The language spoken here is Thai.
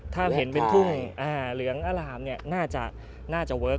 ห้ามเห็นเป็นทุ่งห้ามเหลืองอัลหามเนี่ยน่าจะน่าจะเวิร์ค